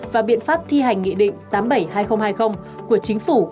và biện pháp thi hành nghị định tám mươi bảy hai nghìn hai mươi của chính phủ